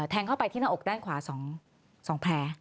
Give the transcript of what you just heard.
เข้าไปที่หน้าอกด้านขวา๒แผล